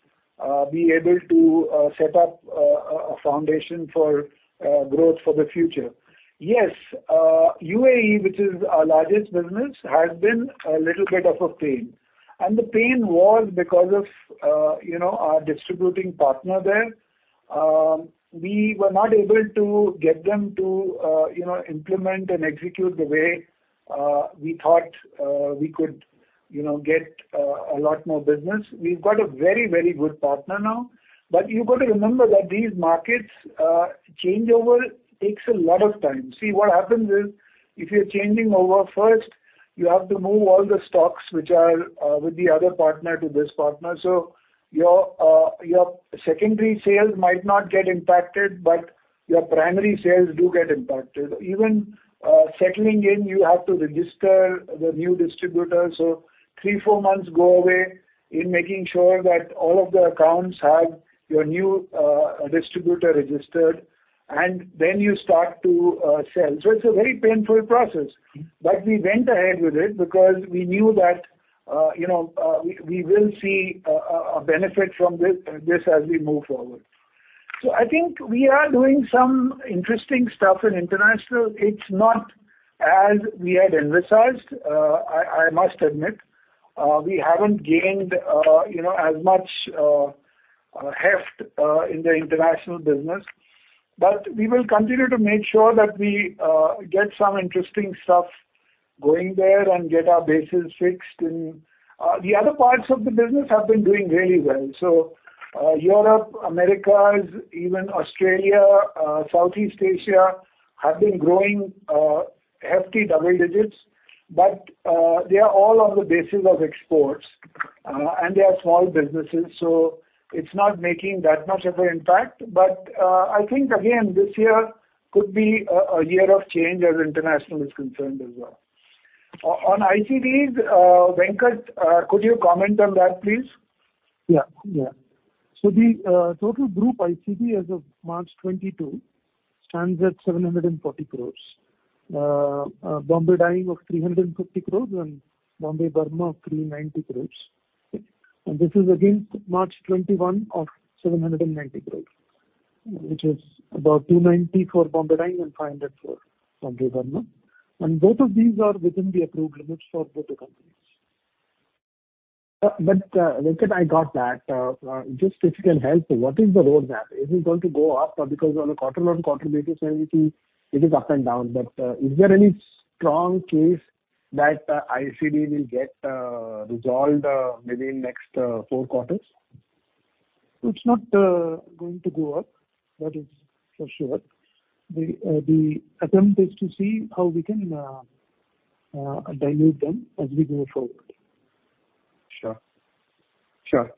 be able to set up a foundation for growth for the future. Yes, UAE, which is our largest business, has been a little bit of a pain. The pain was because of you know, our distribution partner there. We were not able to get them to, you know, implement and execute the way, we thought, we could, you know, get, a lot more business. We've got a very, very good partner now. You've got to remember that these markets, changeover takes a lot of time. See, what happens is if you're changing over, first you have to move all the stocks which are, with the other partner to this partner. Your secondary sales might not get impacted, but your primary sales do get impacted. Even, settling in, you have to register the new distributor. Three, four months go away in making sure that all of the accounts have your new distributor registered and then you start to sell. It's a very painful process. We went ahead with it because we knew that we will see a benefit from this as we move forward. I think we are doing some interesting stuff in international. It's not as we had envisaged, I must admit. We haven't gained as much heft in the international business. We will continue to make sure that we get some interesting stuff going there and get our bases fixed. The other parts of the business have been doing really well. Europe, Americas, even Australia, Southeast Asia have been growing hefty double digits, but they are all on the basis of exports, and they are small businesses, so it's not making that much of an impact. I think again, this year could be a year of change as international is concerned as well. On ICDs, Venkat, could you comment on that, please? Yeah, the total group ICD as of March 2022 stands at 740 crore. Bombay Dyeing of 350 crores and Bombay Burmah of 390 crores. Okay. This is against March 2021 of 790 crores, which is about 290 crores for Bombay Dyeing and 500 crores for Bombay Burmah. Both of these are within the approved limits for both the companies. Venkat, I got that. Just if you can help, what is the roadmap? Is it going to go up? Or because on a quarter-on-quarter basis everything, it is up and down. Is there any strong case that ICD will get resolved, maybe in next four quarters? It's not going to go up. That is for sure. The attempt is to see how we can dilute them as we go forward. Sure.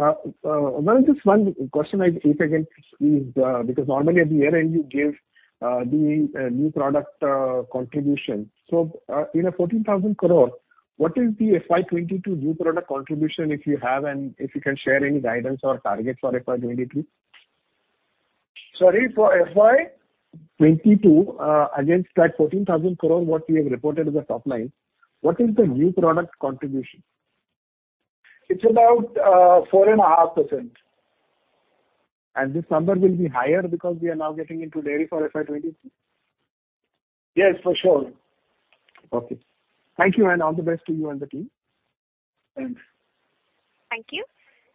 Varun, just one question I'd ask again is, because normally at the year-end you give the new product contribution. In 14,000 crores, what is the FY 2022 new product contribution if you have, and if you can share any guidance or targets for FY 2022? Sorry, for FY? 2022. Against that 14,000 crores what you have reported as the top line, what is the new product contribution? It's about 4.5%. This number will be higher because we are now getting into dairy for FY 2022? Yes, for sure. Okay. Thank you, and all the best to you and the team. Thanks. Thank you.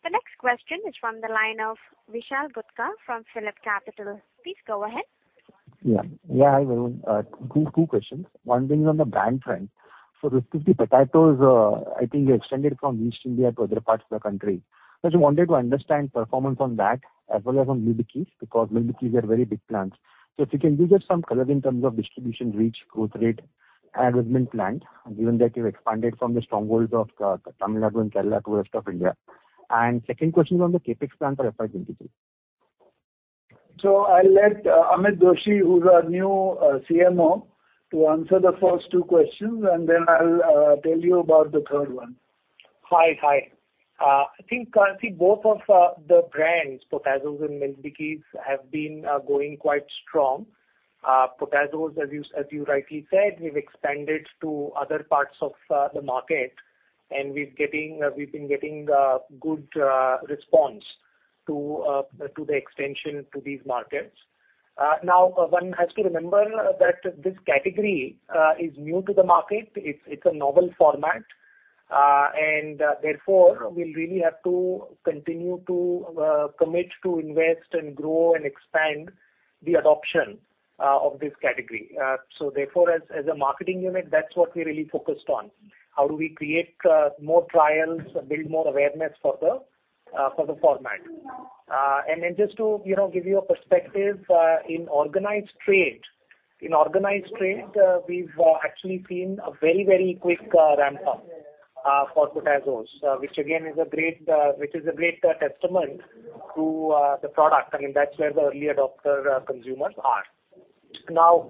The next question is from the line of Vishal Gutka from Phillip Capital. Please go ahead. Yeah. Hi, everyone. Two questions. One is on the brand front. The 50-50 Potazos, I think you extended from East India to other parts of the country. Just wanted to understand performance on that as well as on Milk Bikis, because Milk Bikis are very big brands. If you can give us some color in terms of distribution reach, growth rate, and advertisement planned, given that you've expanded from the strongholds of Tamil Nadu and Kerala to rest of India. Second question is on the CapEx plan for FY 2022. I'll let Amit Doshi, who's our new CMO, to answer the first two questions, and then I'll tell you about the third one. Hi. I think currently both of the brands, Potazos and Milk Bikis, have been going quite strong. Potazos, as you rightly said, we've expanded to other parts of the market, and we've been getting good response to the extension to these markets. Now one has to remember that this category is new to the market. It's a novel format. Therefore we'll really have to continue to commit to invest and grow and expand the adoption of this category. Therefore as a marketing unit, that's what we're really focused on. How do we create more trials, build more awareness for the format? Just to, you know, give you a perspective, in organized trade we've actually seen a very quick ramp-up for Potazos, which is a great testament to the product. I mean, that's where the early adopter consumers are. Now,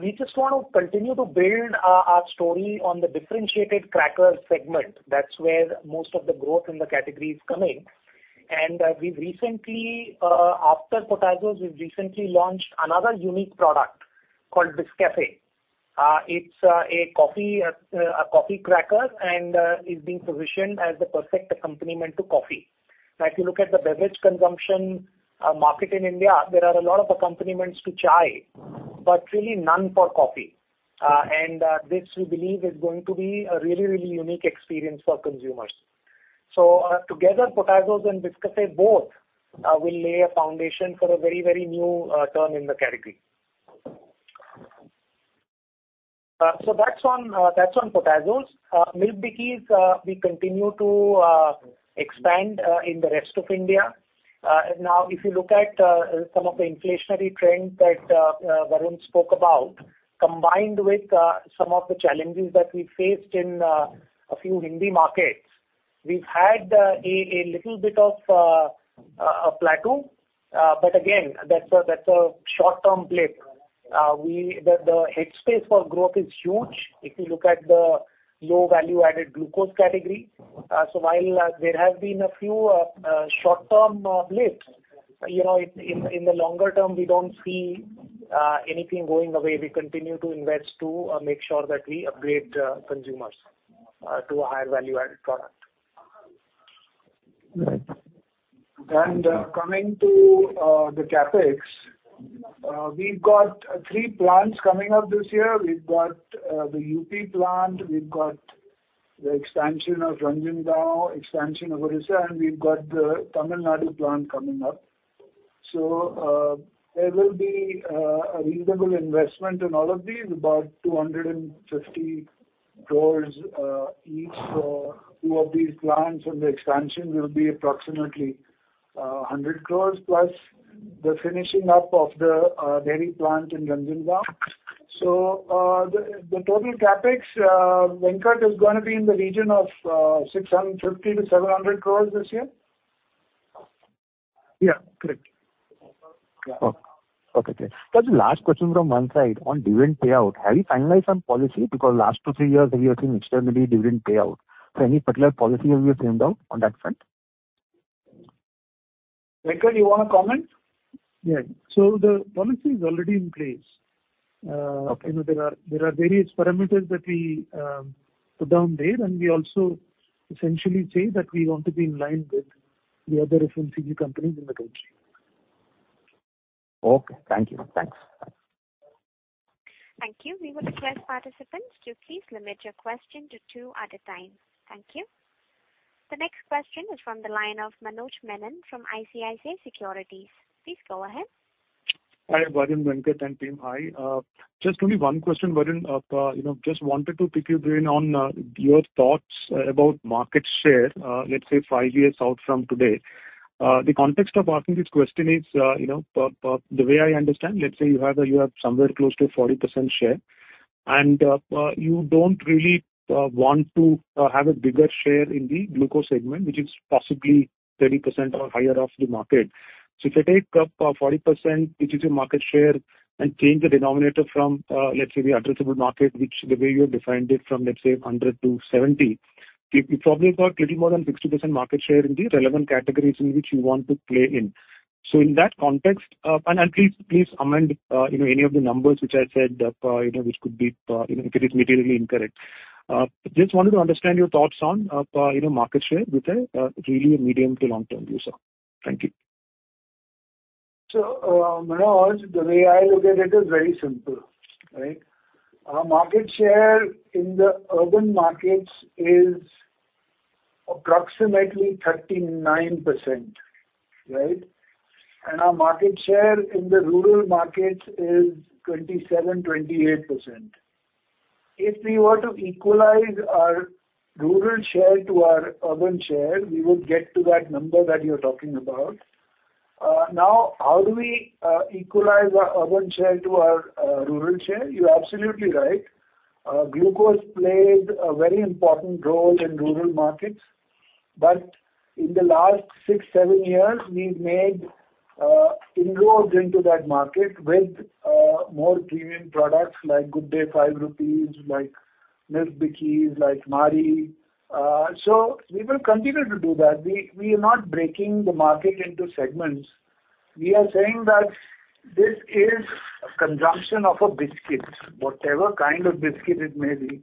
we just wanna continue to build our story on the differentiated cracker segment. That's where most of the growth in the category is coming. We've recently, after Potazos, launched another unique product called Biscafe. It's a coffee cracker and is being positioned as the perfect accompaniment to coffee. Now, if you look at the beverage consumption market in India, there are a lot of accompaniments to chai, but really none for coffee. This we believe is going to be a really, really unique experience for consumers. Together, Potazos and Biscafe both will lay a foundation for a very, very new term in the category. That's on Potazos. Milk Bikis, we continue to expand in the rest of India. Now, if you look at some of the inflationary trends that Varun spoke about, combined with some of the challenges that we faced in a few Hindi markets, we've had a little bit of a plateau. Again, that's a short-term blip. The head space for growth is huge if you look at the low value-added glucose category. While there have been a few short-term blips, you know, in the longer term we don't see anything going away. We continue to invest to make sure that we upgrade consumers to a higher value-added product. Coming to the CapEx, we've got three plants coming up this year. We've got the UP plant, we've got the expansion of Ranjangaon, expansion of Odisha, and we've got the Tamil Nadu plant coming up. There will be a reasonable investment in all of these, about 250 crore each. Two of these plants and the expansion will be approximately 100 crore, plus the finishing up of the dairy plant in Ranjangaon. The total CapEx, Venkat, is gonna be in the region of 650 crore-700 crore this year? Yeah, correct. Okay, great. Just last question from my side. On dividend payout, have you finalized some policy? Because last two, three years we have seen extremely dividend payout. Any particular policy have you framed out on that front? Venkat, you wanna comment? Yeah. The policy is already in place. You know, there are various parameters that we put down there, and we also essentially say that we want to be in line with the other FMCG companies in the country. Okay, thank you. Thanks. Thank you. We would request participants to please limit your question to two at a time. Thank you. The next question is from the line of Manoj Menon from ICICI Securities. Please go ahead. Hi, Varun, Venkat, and team. Hi. Just only one question, Varun. You know, just wanted to pick your brain on your thoughts about market share, let's say five years out from today. The context of asking this question is, you know, the way I understand, let's say you have somewhere close to 40% share, and you don't really want to have a bigger share in the glucose segment, which is possibly 30% or higher of the market. If I take up 40%, which is your market share, and change the denominator from, let's say the addressable market, which the way you have defined it from, let's say 100 to 70, you probably have got little more than 60% market share in the relevant categories in which you want to play in. In that context, and please amend, you know, any of the numbers which I said, you know, which could be, you know, if it is materially incorrect. Just wanted to understand your thoughts on, you know, market share with a really medium- to long-term view, sir. Thank you. Manoj, the way I look at it is very simple, right? Our market share in the urban markets is approximately 39%, right? Our market share in the rural markets is 27%, 28%. If we were to equalize our rural share to our urban share, we would get to that number that you're talking about. Now how do we equalize our urban share to our rural share? You're absolutely right. Glucose played a very important role in rural markets. In the last six, seven years, we've made inroads into that market with more premium products like Good Day 5 rupees, like Milk Bikis, like Marie. We will continue to do that. We are not breaking the market into segments. We are saying that this is consumption of a biscuit, whatever kind of biscuit it may be.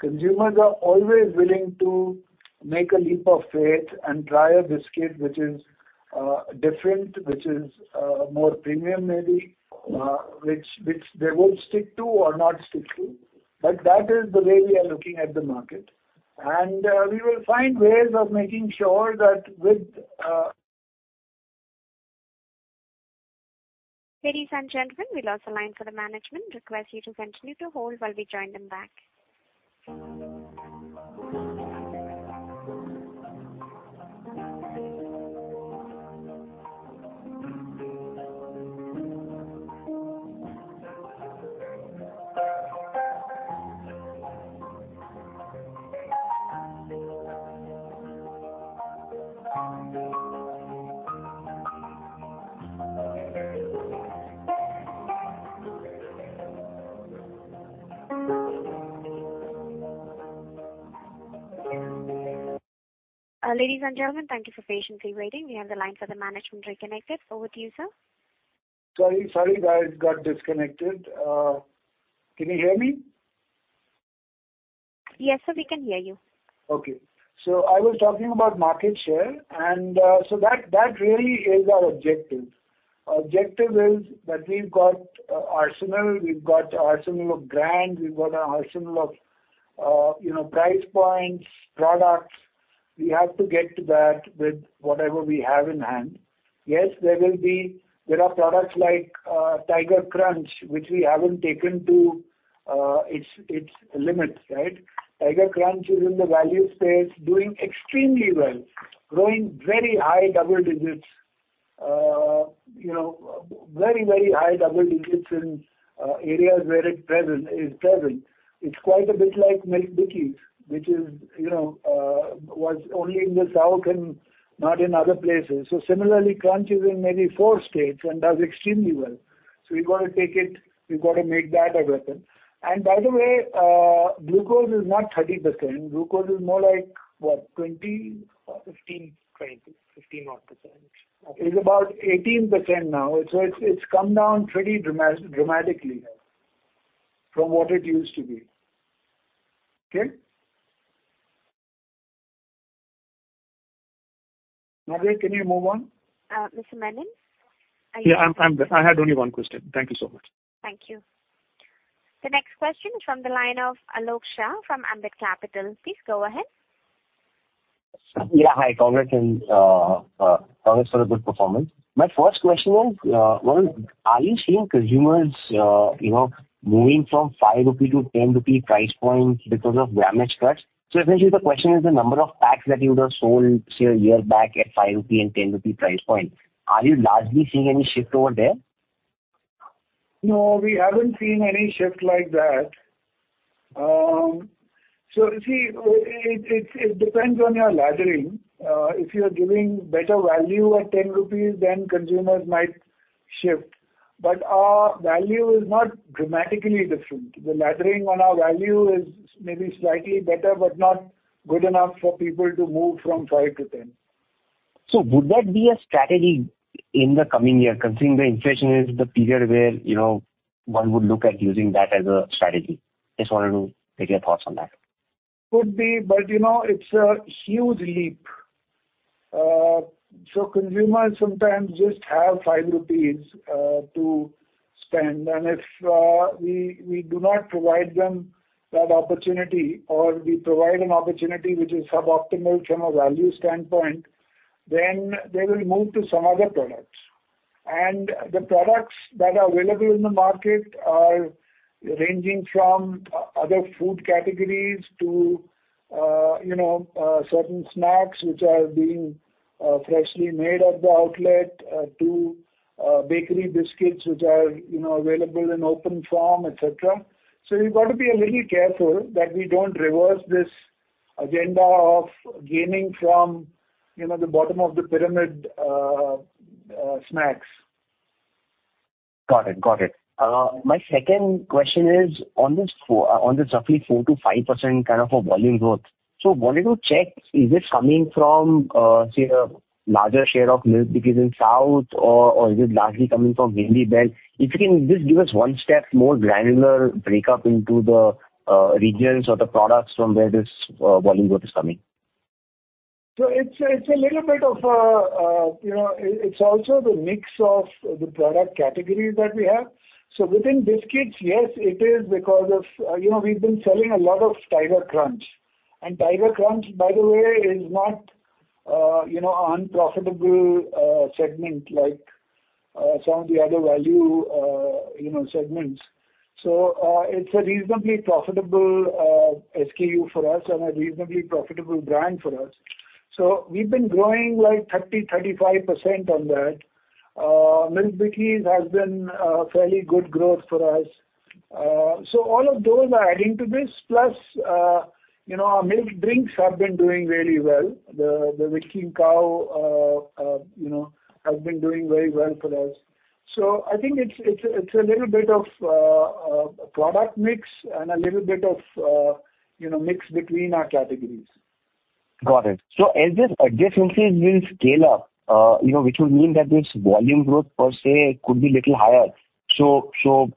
Consumers are always willing to make a leap of faith and try a biscuit which is different, which is more premium maybe, which they would stick to or not stick to. That is the way we are looking at the market. We will find ways of making sure that with— Ladies and gentlemen, we lost the line for the management. Request you to continue to hold while we join them back. Ladies and gentlemen, thank you for patiently waiting. We have the line for the management reconnected. Over to you, sir. Sorry, sorry, guys. Got disconnected. Can you hear me? Yes, sir, we can hear you. Okay. I was talking about market share, and that really is our objective. Objective is that we've got arsenal, we've got arsenal of brands, we've got arsenal of, you know, price points, products. We have to get to that with whatever we have in hand. Yes, there are products like Tiger Krunch, which we haven't taken to its limits, right? Tiger Krunch is in the value space doing extremely well, growing very high double digits. You know, very, very high double digits in areas where it is present. It's quite a bit like Milk Bikis, which is, you know, was only in the South and not in other places. Similarly, Krunch is in maybe four states and does extremely well. We've got to take it, we've got to make that a weapon. By the way, glucose is not 30%. Glucose is more like, what? 20%? 15%, 20%. 15%-odd. It's about 18% now, so it's come down pretty dramatically from what it used to be. Okay? Madhuri, can you move on? Mr. Menon? Are you- Yeah, I'm good. I had only one question. Thank you so much. Thank you. The next question is from the line of Alok Shah from Ambit Capital. Please go ahead. Yeah, hi. Congrats on a good performance. My first question, Varun, are you seeing consumers, you know, moving from 5 rupee to 10 rupee price points because of grammage cuts? So essentially the question is the number of packs that you would have sold, say, a year back at 5 rupee and 10 rupee price point. Are you largely seeing any shift over there? No, we haven't seen any shift like that. It depends on your laddering. If you're giving better value at 10 rupees, then consumers might shift. Our value is not dramatically different. The laddering on our value is maybe slightly better, but not good enough for people to move from 5 rupees to 10 rupees. Would that be a strategy in the coming year, considering the inflation is the period where, you know, one would look at using that as a strategy? Just wanted to take your thoughts on that. Could be, but you know, it's a huge leap. Consumers sometimes just have 5 rupees to spend. If we do not provide them that opportunity or we provide an opportunity which is suboptimal from a value standpoint, then they will move to some other products. The products that are available in the market are ranging from other food categories to, you know, certain snacks which are being freshly made at the outlet, to bakery biscuits which are, you know, available in open form, et cetera. We've got to be a little careful that we don't reverse this agenda of gaining from, you know, the bottom of the pyramid snacks. Got it. My second question is on this roughly 4%-5% kind of a volume growth. Wanted to check, is this coming from, say, a larger share of Milk Bikis in South or is it largely coming from Hindi Belt? If you can just give us one step more granular breakup into the regions or the products from where this volume growth is coming. It's a little bit of a, you know, it's also the mix of the product categories that we have. Within biscuits, yes, it is because of, you know, we've been selling a lot of Tiger Krunch. Tiger Krunch, by the way, is not, you know, unprofitable segment like, some of the other value, you know, segments. It's a reasonably profitable SKU for us and a reasonably profitable brand for us. We've been growing like 30%, 35% on that. Milk Bikis has been a fairly good growth for us. All of those are adding to this. Plus, you know, our milk drinks have been doing really well. The Winkin' Cow, you know, has been doing very well for us. I think it's a little bit of product mix and a little bit of, you know, mix between our categories. Got it. As this adjacencies will scale up, you know, which will mean that this volume growth per se could be little higher. You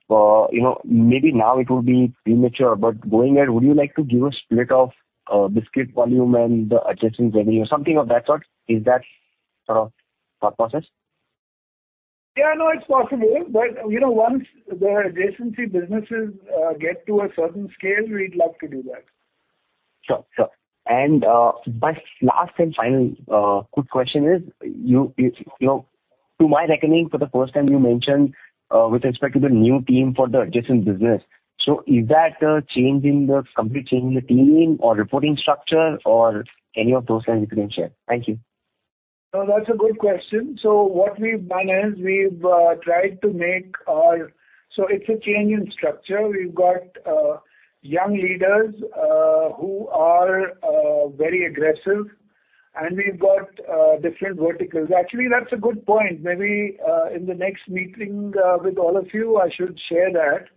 know, maybe now it would be premature, but going ahead, would you like to give a split of biscuit volume and the adjacent revenue? Something of that sort. Is that the thought process? Yeah, no, it's possible. You know, once the adjacency businesses get to a certain scale, we'd love to do that. Sure. My last and final quick question is, you know, to my reckoning, for the first time you mentioned with respect to the new team for the adjacent business. Is that a complete change in the team or reporting structure or any of those lines you can share? Thank you. No, that's a good question. What we've done is we have tried to make our— it's a change in structure. We've got young leaders who are very aggressive, and we've got different verticals. Actually, that's a good point. Maybe in the next meeting with all of you, I should share that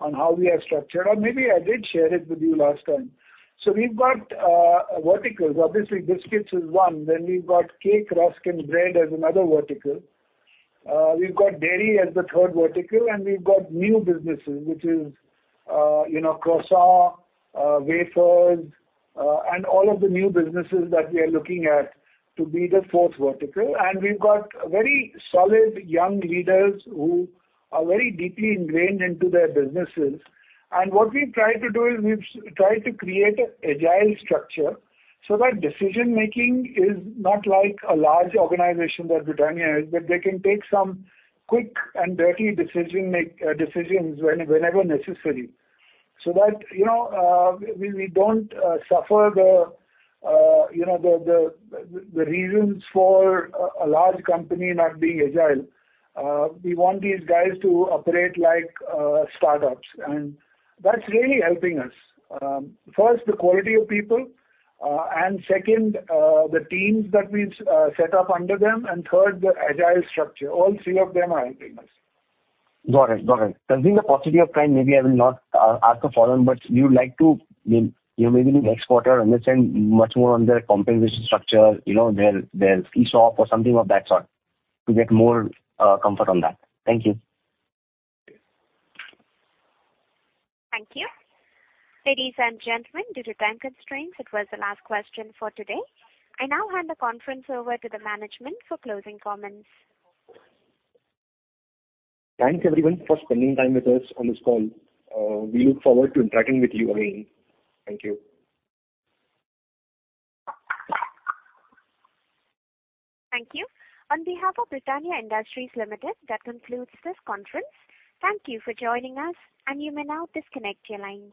on how we are structured, or maybe I did share it with you last time. We've got verticals. Obviously, biscuits is one. We've got cake, rusk, and bread as another vertical. We've got dairy as the third vertical, and we've got new businesses, which is, you know, croissant, wafers, and all of the new businesses that we are looking at to be the fourth vertical. We've got very solid young leaders who are very deeply ingrained into their businesses. What we've tried to do is we've tried to create an agile structure so that decision-making is not like a large organization that Britannia is, but they can take some quick and dirty decisions whenever necessary. You know, we don't suffer the reasons for a large company not being agile. We want these guys to operate like startups, and that's really helping us. First, the quality of people, and second, the teams that we've set up under them, and third, the agile structure. All three of them are helping us. Got it. Considering the paucity of time, maybe I will not ask a follow-on, but you'd like to, I mean, you know, maybe in the next quarter understand much more on their compensation structure, you know, their ESOP or something of that sort to get more comfort on that. Thank you. Thank you. Ladies and gentlemen, due to time constraints, it was the last question for today. I now hand the conference over to the management for closing comments. Thanks, everyone, for spending time with us on this call. We look forward to interacting with you again. Thank you. Thank you. On behalf of Britannia Industries Limited, that concludes this conference. Thank you for joining us, and you may now disconnect your lines.